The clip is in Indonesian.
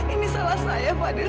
ini salah saya fadil